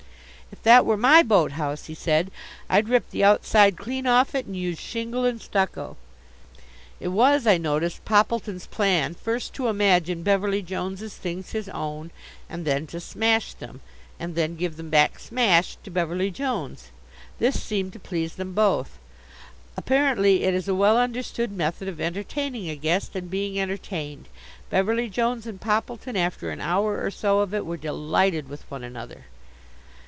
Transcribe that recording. "If that were my boat house," he said, "I'd rip the outside clean off it and use shingle and stucco." It was, I noticed, Poppleton's plan first to imagine Beverly Jones's things his own, and then to smash them, and then give them back smashed to Beverly Jones. This seemed to please them both. Apparently it is a well understood method of entertaining a guest and being entertained. Beverly Jones and Poppleton, after an hour or so of it, were delighted with one another.